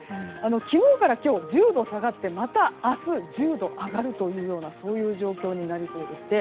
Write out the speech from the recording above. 昨日から今日１０度下がってまた明日１０度上がるというようなそういう状況になりそうでして。